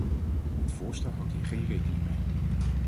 Het voorstel houdt hier geen rekening mee.